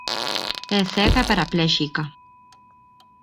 É cega e parapléxica.